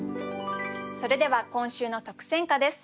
それでは今週の特選歌です。